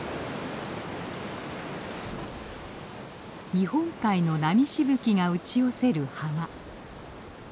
日本海の波しぶきが打ち寄せる浜。